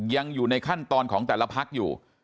ยังอยู่ในขั้นตอนของแต่ละพักอยู่